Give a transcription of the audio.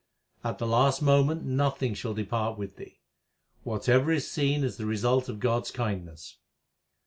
At the last moment nothing shall depart with thee ; whatever is seen is the result of God s kindness.